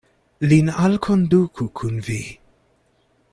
Lin alkonduku kun vi.